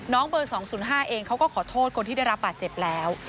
เบอร์๒๐๕เองเขาก็ขอโทษคนที่ได้รับบาดเจ็บแล้ว